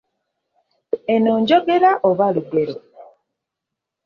Eno njogera oba lugero?